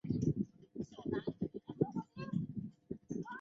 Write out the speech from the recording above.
顺天乡试第四十一名。